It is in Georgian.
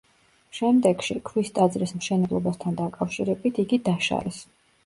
შემდეგში, ქვის ტაძრის მშენებლობასთან დაკავშირებით, იგი დაშალეს.